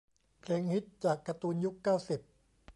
เพลงฮิต จากการ์ตูนยุค เก้าสิบ